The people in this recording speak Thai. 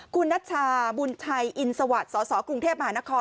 คุณนัชชาบุญชัยอินสวัสดิ์สสกรุงเทพมหานคร